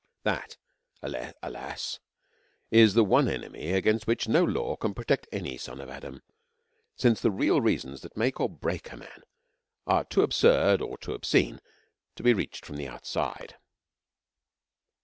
That, alas! is the one enemy against which no law can protect any son of Adam; since the real reasons that make or break a man are too absurd or too obscene to be reached from outside.